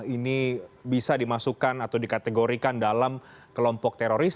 ini bisa dimasukkan atau dikategorikan dalam kelompok teroris